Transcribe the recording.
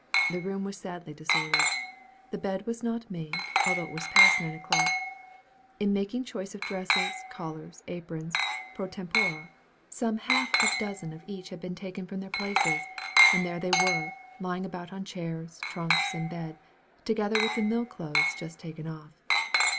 The room was sadly disordered. The bed was not made, although it was past nine o'clock. In making choice of dresses, collars, aprons, pro tempore, some half dozen of each had been taken from their places, and there they were, lying about on chairs, trunks, and bed, together with mill clothes just taken off.